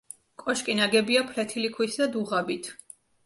კოშკი ნაგებია ფლეთილი ქვით და დუღაბით.